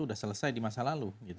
sudah selesai di masa lalu